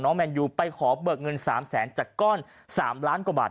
น้องแมนยูไปขอเบิกเงินสามแสนจากก้อนสามล้านกว่าบาท